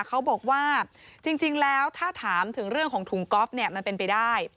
เขาบอกว่าจริงแล้วถ้าถามถึงเรื่องของถุงก๊อฟเนี่ยมันเป็นไปได้